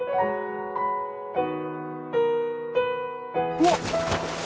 うわっ！